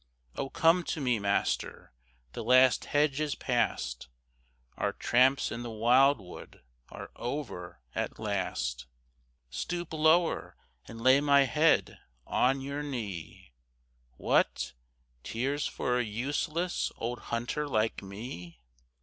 Oh, come to me, master; the last hedge is passed Our tramps in the wildwood are over at last; Stoop lower, and lay my head on your knee. What! Tears for a useless old hunter like me?